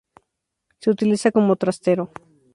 Se utiliza como trastero.